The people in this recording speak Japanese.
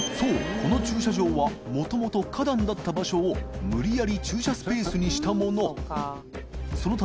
この駐車場はもともと花壇だった場所を詰㈭笋駐車スペースにしたもの磴修里燭